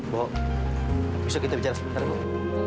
bok besok kita bicara sebentar ya bok